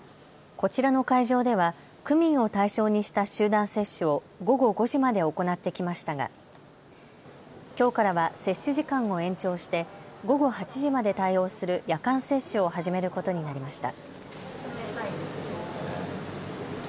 こちらの会場では区民を対象にした集団接種を午後５時まで行ってきましたがきょうからは接種時間を延長して午後８時まで対応する夜間接種を始めることになりました。